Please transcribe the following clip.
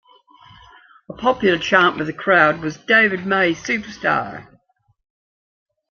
A popular chant with the crowd was ""David May, superstar!